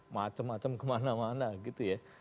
macem macem kemana mana gitu ya